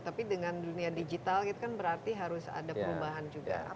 tapi dengan dunia digital itu kan berarti harus ada perubahan juga